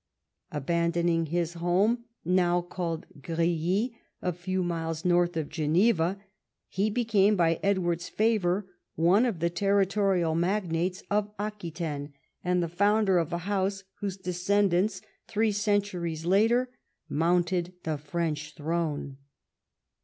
Abandoning his home, now called Grilly, a few miles north of Geneva, he became by Edward's favour one of the territorial magnates of Aquitaine, and the founder of a house whose descendants three centuries later mounted the French throne.